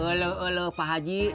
eluh eluh pak haji